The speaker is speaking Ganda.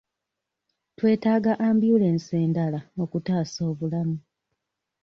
Twetaaga ambyulensi endala okutaasa obulamu.